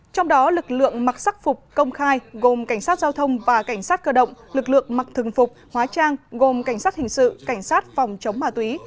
trong đó lực lượng mặc sắc phục công khai gồm cảnh sát giao thông và cảnh sát cơ động lực lượng mặc thường phục hóa trang gồm cảnh sát hình sự cảnh sát phòng chống ma túy